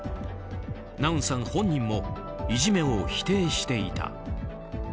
ナウンさん本人もいじめを否定していた。